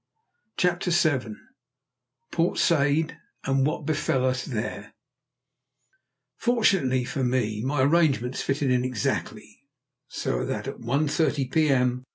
CHAPTER VII PORT SAID, AND WHAT BEFEL US THERE Fortunately for me my arrangements fitted in exactly, so that at one thirty p.m.